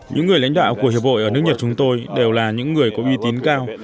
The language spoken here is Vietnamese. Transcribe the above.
những người lãnh đạo của hiệp hội ở nước nhật chúng tôi đều là những người có uy tín cao